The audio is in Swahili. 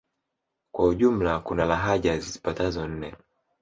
Kwa ujumla kuna lahaja zipatazo nne